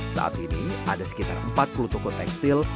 saat ini ada sekitar empat puluh toko tekstil